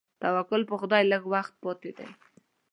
توکل په خدای لږ وخت پاتې دی.